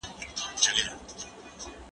زه به سندري اورېدلي وي!!